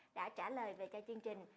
đã trả lời về cho chương trình